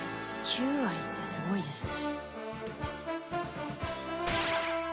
９割ってすごいですね。